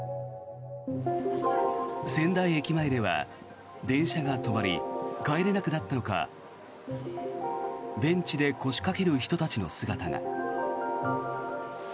仙台駅前では電車が止まり帰れなくなったのかベンチで腰掛ける人たちの姿が。